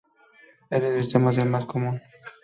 Este sistema es el más común.